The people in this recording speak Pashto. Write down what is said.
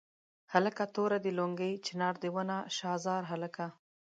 هلکه توره دې لونګۍ چنار دې ونه شاه زار هلکه.